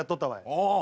ああ。